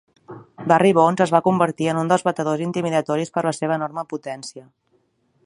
Barry Bonds es va convertir en un dels batedors intimidatoris per la seva enorme potència.